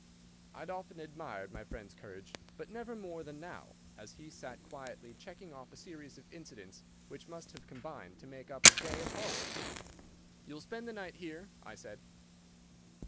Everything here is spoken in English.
I had often admired my friend's courage, but never more than now, as he sat quietly checking off a series of incidents which must have combined to make up a day of horror. "You will spend the night here?" I said.